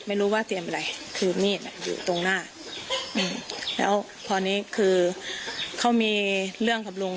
ไม่รู้ว่าเตรียมอะไรคือมีดอ่ะอยู่ตรงหน้าอืมแล้วพอนี้คือเขามีเรื่องกับลุง